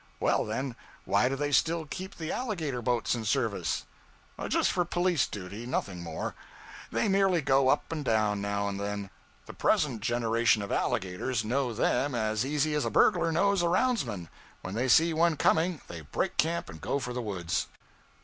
'Well, then, why do they still keep the alligator boats in service?' 'Just for police duty nothing more. They merely go up and down now and then. The present generation of alligators know them as easy as a burglar knows a roundsman; when they see one coming, they break camp and go for the woods.'